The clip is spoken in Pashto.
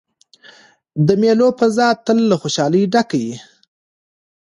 د مېلو فضا تل له خوشحالۍ ډکه يي.